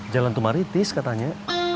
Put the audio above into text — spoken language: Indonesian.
jalan tumaritis katanya